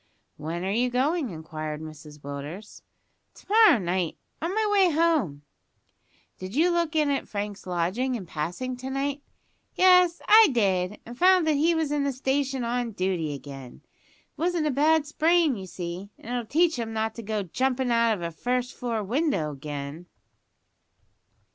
"When are you going?" inquired Mrs Willders. "To morrow night, on my way home." "Did you look in at Frank's lodging in passing to night?" "Yes, I did, and found that he was in the station on duty again. It wasn't a bad sprain, you see, an' it'll teach him not to go jumpin' out of a first floor window again."